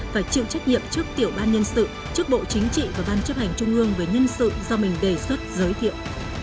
phải chịu trách nhiệm trước tiểu ban nhân sự trước bộ chính trị và ban chấp hành trung ương về nhân sự do mình đề xuất giới thiệu